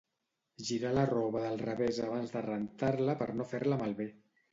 Girar la roba del revés abans de rentar-la per no fer-la malbé